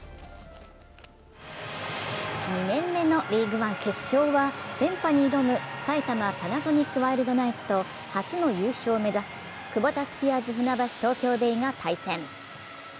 ２年目のＬＥＡＧＵＥＯＮＥ決勝は、連覇に挑む埼玉パナソニックワイルドナイツと初の優勝を目指すクボタスピアーズ船橋・東京ベイが対戦。